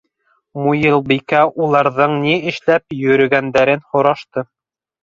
Муйылбикә уларҙың ни эшләп йөрөгәндәрен һорашты: